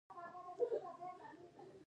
لغمان هم د بودیزم نښې لري